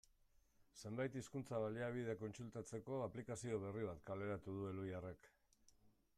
Zenbait hizkuntza-baliabide kontsultatzeko aplikazio berri bat kaleratu du Elhuyarrek.